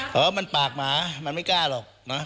แต่ว่ามันปากหมามันไม่กล้าหรอกนะ